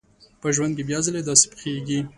په ژوند کې بيا ځلې داسې پېښېږي.